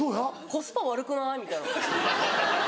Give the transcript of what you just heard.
コスパ悪くない？みたいな。